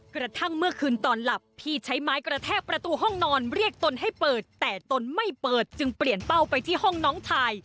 กระทั่งเมื่อคืนตอนหลับพี่ใช้ไม้กระแทกประตูห้องนอนเรียกตนให้เปิดแต่ตนไม่เปิดจึงเปลี่ยนเป้าไปที่ห้องน้องชาย